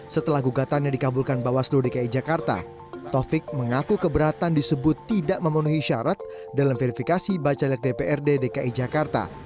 setelah gugatannya dikabulkan bawaslu dki jakarta taufik mengaku keberatan disebut tidak memenuhi syarat dalam verifikasi bacalek dprd dki jakarta